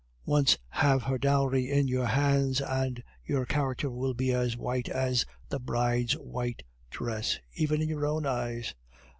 Once have her dowry in your hands, and your character will be as white as the bride's white dress, even in your own eyes."